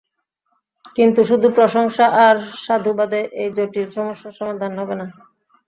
কিন্তু শুধু প্রশংসা আর সাধুবাদে এই জটিল সমস্যার সমাধান হবে না।